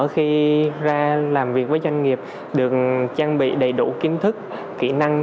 khi ra làm việc với doanh nghiệp được trang bị đầy đủ kiến thức kỹ năng